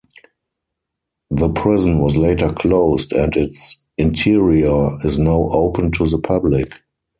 The prison was later closed, and its interior is now open to the public.